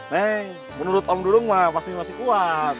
neng menurut om dulu mah pasti pasti kuata